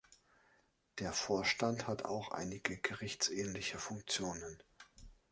Der Vorstand hat auch einige gerichtsähnliche Funktionen.